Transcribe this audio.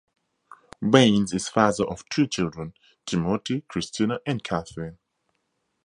Baines is father of three children - Timothy, Christina, and Catherine.